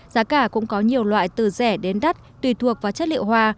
giá cả cũng có nhiều loại từ rẻ đến đắt tùy thuộc vào chất liệu hoa